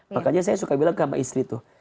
makanya saya suka bilang sama istri tuh